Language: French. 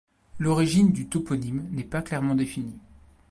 L'origine du toponyme n'est pas clairement définie.